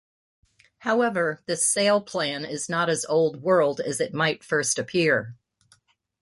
However, this sail plan is not as old-world as it might first appear.